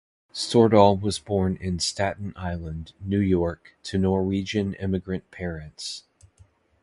Stordahl was born in Staten Island, New York to Norwegian immigrant parents.